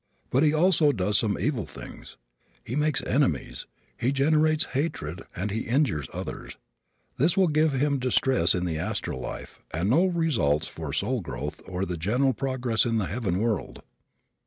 But he also does some evil things. He makes enemies, he generates hatred and he injures others. This will give him distress in the astral life and no results for soul growth or general progress in the heaven world.